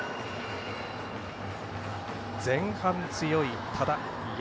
前半強い多田、山縣。